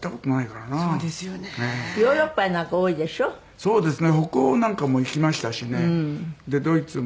そうですね。